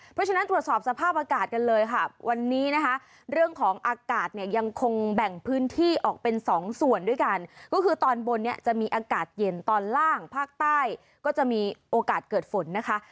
เพราะฉะนั้นตรวจสอบสภาพอากาศกันเลยค่ะวันนี้นะคะเรื่องของอากาศเนี่ยยังคงแบ่งพื้นที่ออกเป็นสองส่วนด้วยกันก็คือตอนบนเนี่ยจะมีอากาศเย็นตอนล่างภาคใต้ก็จะมีโอกาสเกิดฝนนะคะ